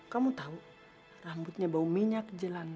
kamu tau rambutnya bau minyak jelangnya